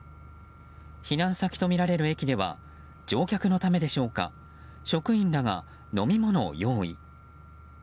避難先とみられる駅では乗客のためでしょうか職員らが飲み物を用意。